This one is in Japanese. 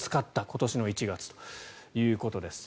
今年の１月ということです。